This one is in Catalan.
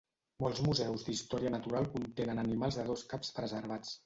Molts museus d'història natural contenen animals de dos caps preservats.